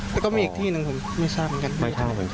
แต่ก็มีอีกที่หนึ่งผมไม่ทราบเหมือนกัน